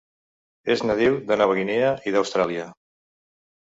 És nadiu de Nova Guinea i d'Austràlia.